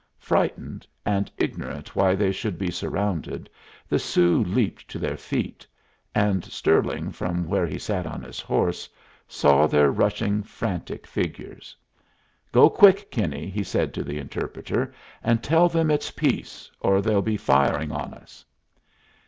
Frightened, and ignorant why they should be surrounded, the Sioux leaped to their feet; and Stirling, from where he sat on his horse, saw their rushing, frantic figures. "Go quick, Kinney," he said to the interpreter, "and tell them it's peace, or they'll be firing on us."